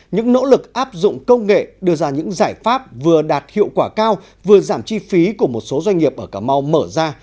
những nỗ lực áp dụng công nghệ đưa ra những giải pháp vừa đạt hiệu quả cao vừa giảm chi phí của một số doanh nghiệp ở cà mau mở ra